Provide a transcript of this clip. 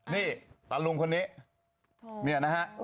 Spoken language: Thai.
นี่ตัดลุงคนนี้